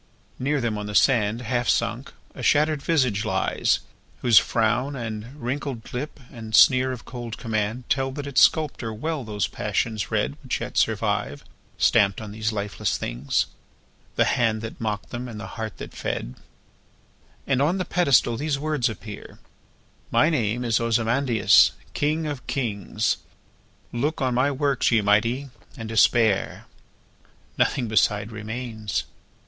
. Near them, on the sand, Half sunk, a shattered visage lies, whose frown, And wrinkled lip, and sneer of cold command, Tell that its sculptor well those passions read Which still survive, stamped on these lifeless things, The hand that mocked them, and the heart that fed; And on the pedestal these words appear: "My name is Ozymandias, king of kings: Look on my works, ye Mighty, and despair!" Nothing beside remains.